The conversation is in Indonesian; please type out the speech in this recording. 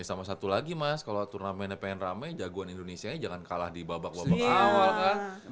sama satu lagi mas kalau turnamennya pengen rame jagoan indonesia jangan kalah di babak babak awal kan